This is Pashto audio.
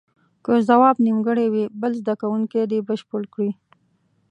که ځواب نیمګړی وي بل زده کوونکی دې بشپړ کړي.